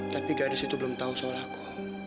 tapi gadis itu belum tahu soal aku